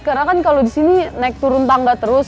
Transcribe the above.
karena kan kalau di sini naik turun tangga terus